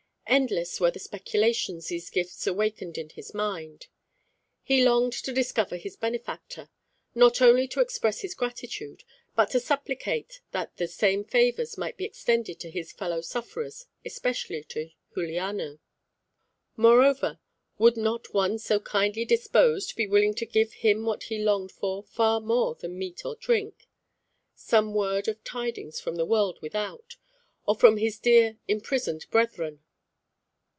Endless were the speculations these gifts awakened in his mind. He longed to discover his benefactor, not only to express his gratitude, but to supplicate that the same favours might be extended to his fellow sufferers, especially to Juliano. Moreover, would not one so kindly disposed be willing to give him what he longed for far more than meat or drink some word of tidings from the world without, or from his dear imprisoned brethren?